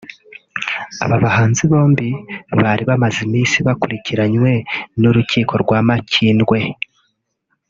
Aba bahanzi bombi bari bamaze iminsi bakurikiranywe n’urukiko rwa Makindye